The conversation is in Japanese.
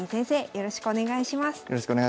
よろしくお願いします。